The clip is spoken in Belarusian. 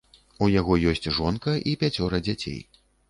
У яго ёсць жонка і пяцёра дзяцей.